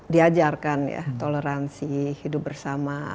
diajarkan ya toleransi hidup bersama